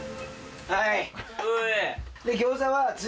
はい。